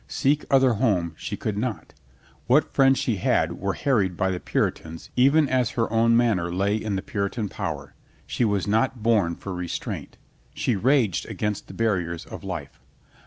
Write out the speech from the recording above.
Seek other home, she could not. What friends she had were harried by the Puritans even as her own Manor lay in the Puritan power. She was not born for restraint. She raged against the barriers of life.